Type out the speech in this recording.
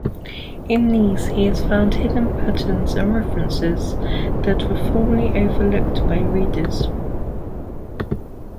In these, he found hidden patterns and references that were formerly overlooked by readers.